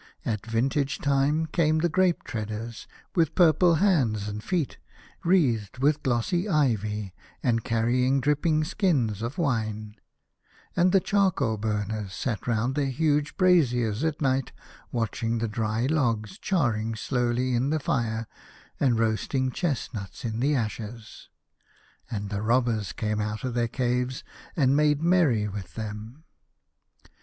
At vintage time came the grape treaders, with purple hands and feet, wreathed with glossy ivy and carrying dripping skins of wine ; and the charcoal burners sat round their huge braziers at night, watching the dry logs charring slowly in the fire, and roasting chestnuts in the ashes, and the robbers came out of their caves and made merry with them.